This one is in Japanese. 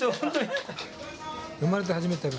生まれて初めて食べる。